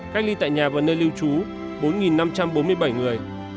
cách ly tại nhà và nơi lưu trú bốn năm trăm bốn mươi bảy người